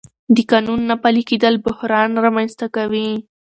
د قانون نه پلي کېدل بحران رامنځته کوي